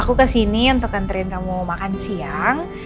aku kesini untuk antrian kamu makan siang